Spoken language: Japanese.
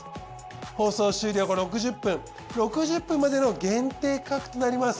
放送終了後６０分６０分までの限定価格となります。